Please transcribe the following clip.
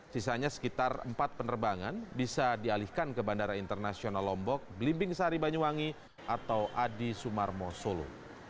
sisanya sekitar empat penerbangan bisa dialihkan ke bandara internasional lombok belimbing sari banyuwangi atau adi sumarmo solo